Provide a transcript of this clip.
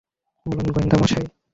বলুন, গোয়েন্দা মশাই!